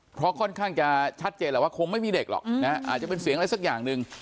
เพราะค่อนข้างจะชัดเจนแหละว่าคงไม่มีเด็กหรอกนะอาจจะเป็นเสียงอะไรสักอย่างหนึ่ง